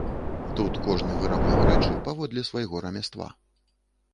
Тут кожны вырабляў рэчы паводле свайго рамяства.